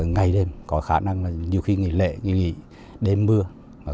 ngày đêm có khả năng là nhiều khi nghỉ lễ nghỉ đêm mưa